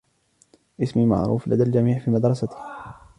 اسمي معروف لدى الجميع في مدرستي.